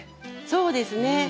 そうですね。